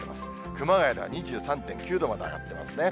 熊谷では２３．９度まで上がっていますね。